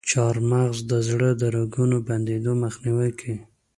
چارمغز د زړه د رګونو بندیدو مخنیوی کوي.